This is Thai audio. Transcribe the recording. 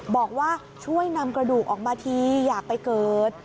บอกว่าช่วยนำกระดูกออกมาทีอยากไปเกิด